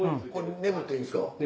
ねぶっていいんですか？